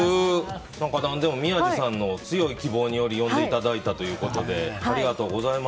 何でも、宮司さんの強い希望により呼んでいただいたということでありがとうございます。